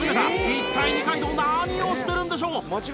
一体二階堂何をしているんでしょう？